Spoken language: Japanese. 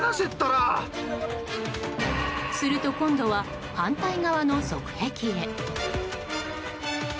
すると、今度は反対側の側壁へ。